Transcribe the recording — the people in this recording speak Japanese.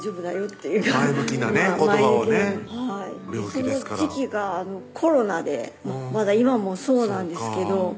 その時期がコロナでまだ今もそうなんですけど